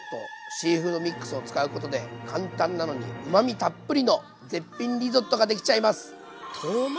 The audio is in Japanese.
シーフードミックスを使うことで簡単なのにうまみたっぷりの絶品リゾットができちゃいます。